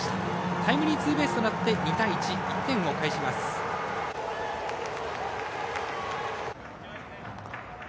タイムリーツーベースとなって２対１、１点を返します。